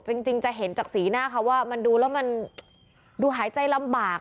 จริงจะเห็นจากสีหน้าเขาว่ามันดูแล้วมันดูหายใจลำบาก